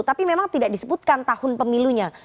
tapi memang tidak disebutkan tahun pemilunya